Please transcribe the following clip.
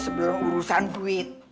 sebelum urusan duit